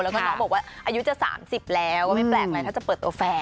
แล้วก็น้องบอกว่าอายุจะ๓๐แล้วก็ไม่แปลกอะไรถ้าจะเปิดตัวแฟน